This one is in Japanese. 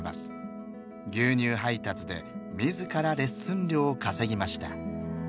牛乳配達で自らレッスン料を稼ぎました。